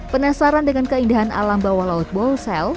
penasaran dengan keindahan alam bawah laut ball cell